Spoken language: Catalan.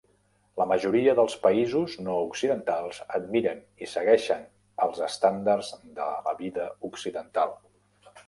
La majoria del països no occidentals admiren i segueixen els estàndards de la vida occidental.